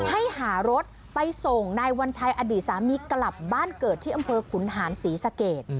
ให้หารถไปส่งนายวัญชัยอดีตสามีกลับบ้านเกิดที่อำเภอขุนหานศรีสะเกด